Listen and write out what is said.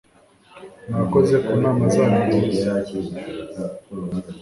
Murakoze kunama zanyu nziza